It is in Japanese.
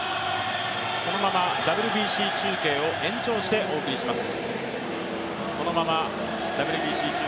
このままＷＢＣ中継を延長してお送りします。